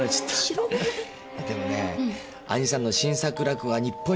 でもね兄さんの新作落語は日本一。